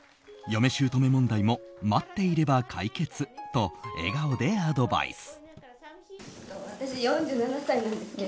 嫁しゅうとめ問題も待っていれば解決と笑顔でアドバイス。